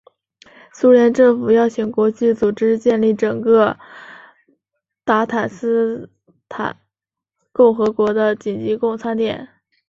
苏联政府邀请国际组织建立整个鞑靼斯坦共和国的紧急供餐点。